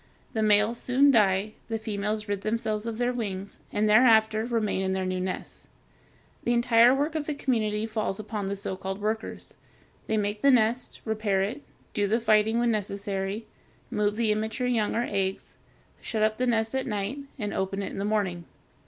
The males soon die; the females rid themselves of their wings, and thereafter remain in their new nests. The entire work of the community falls upon the so called workers. They make the nest, repair it, do the fighting when necessary, move the immature young or eggs, shut up the nest at night, and open it in the morning.